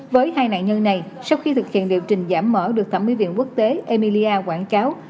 với hai nạn nhân này sau khi thực hiện liệu trình giảm mỡ được thẩm mỹ viện quốc tế emilia quảng cáo